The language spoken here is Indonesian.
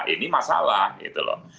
ini masalah gitu loh